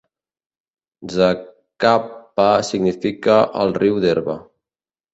Zacapa significa al riu d'herba.